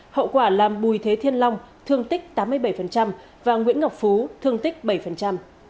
hậu quả làm bùi thế thiên long thương tích tám mươi bảy và nguyễn ngọc phú thương tích bảy